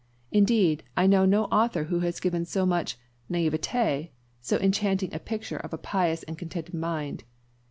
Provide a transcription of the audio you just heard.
Indeed, I know no author who has given with so much _naïveté _so enchanting a picture of a pious and contented mind.